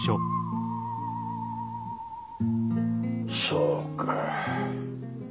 そうか。